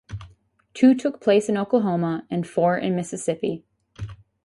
Two took place in Oklahoma and four in Mississippi.